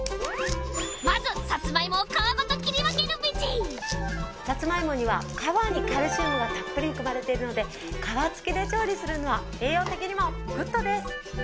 まずサツマイモを皮ごと切り分けるベジサツマイモには皮にカルシウムがたっぷり含まれているので皮付きで調理するのは栄養的にもグッドです。